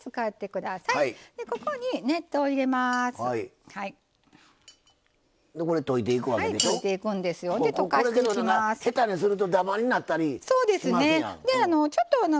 下手にするとダマになったりしますやん。